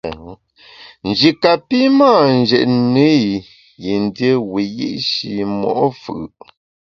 Nji kapi mâ njetne i yin dié wiyi’shi mo’ fù’.